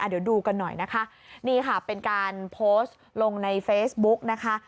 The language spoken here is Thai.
เดี๋ยวดูกันหน่อยนะคะนี่ค่ะเป็นการโพสต์ลงในเฟซบุ๊กนะคะ